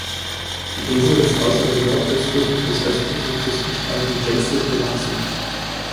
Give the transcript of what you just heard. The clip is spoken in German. Die Insel ist außer dem nordöstlichen bis östlichen Küstenstreifen gänzlich bewachsen.